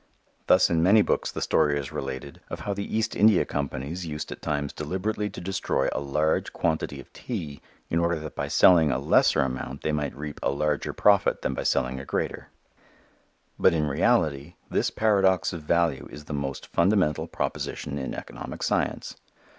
Thus in many books the story is related of how the East India Companies used at times deliberately to destroy a large quantity of tea in order that by selling a lesser amount they might reap a larger profit than by selling a greater. But in reality this paradox of value is the most fundamental proposition in economic science.